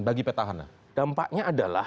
bagi petahana dampaknya adalah